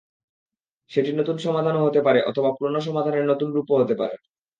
সেটি নতুন সমাধানও হতে পারে অথবা পুরোনো সমাধানের নতুন রূপও হতে পারে।